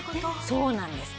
そうなんです。